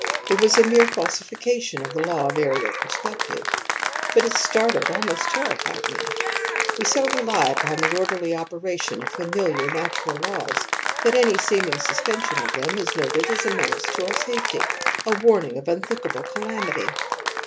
It was a mere falsification of the law of aerial perspective, but it startled, almost terrified me. We so rely upon the orderly operation of familiar natural laws that any seeming suspension of them is noted as a menace to our safety, a warning of unthinkable calamity.